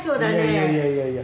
いやいやいやいや。